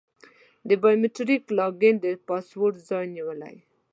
د بایو میتریک لاګین د پاسورډ ځای نیولی.